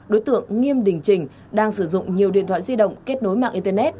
đối tượng nghiêm đình trình đang sử dụng nhiều điện thoại di động kết nối mạng internet